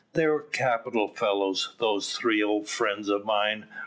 They were capital fellows, those three old friends of mine.